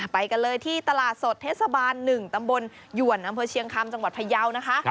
ไปกันเลยที่ตลาดสดเทศบาล๑ตำบลหยวนอำเภอเชียงคำจังหวัดพยาวนะคะ